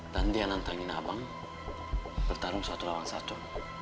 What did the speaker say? dan dia nantangin abang bertarung satu lawan satu